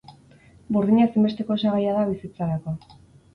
Burdina ezinbesteko osagaia da bizitzarako.